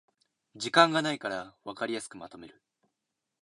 時間がないからわかりやすくまとめる